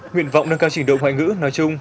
nguyện vọng nâng cao trình độ ngoại ngữ nói chung